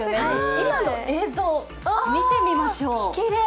今の映像、見てみましょう。